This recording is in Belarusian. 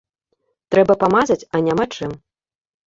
Трэба памазаць, а няма чым.